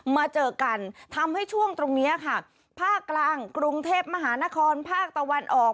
มาเจอกันทำให้ช่วงตรงนี้ค่ะภาคกลางกรุงเทพมหานครภาคตะวันออก